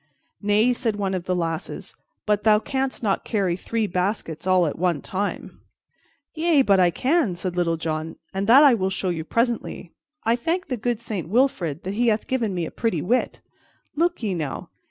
"Nay," said one of the lasses, "but thou canst not carry three baskets all at one time." "Yea, but I can," said Little John, "and that I will show you presently. I thank the good Saint Wilfred that he hath given me a pretty wit. Look ye, now.